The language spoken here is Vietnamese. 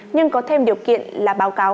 nhưng có thêm điều kiện là báo cáo